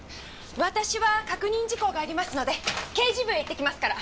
私は確認事項がありますので刑事部へ行ってきますから。